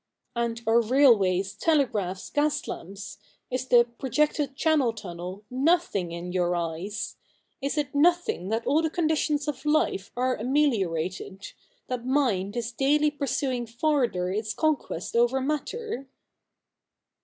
'And are railways, telegraphs, gas lamps — is the projected Channel tunnel, nothing in your eyes ? Is it nothing that all the conditions of life are ameliorated, that mind is daily pursuing farther its conquest over matter